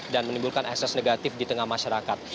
dan menimbulkan akses negatif di tengah masyarakat